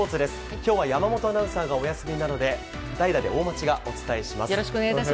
今日は山本アナウンサーがお休みなので代打で大町がお伝えします。